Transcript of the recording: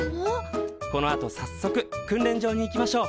このあとさっそく訓練場に行きましょう。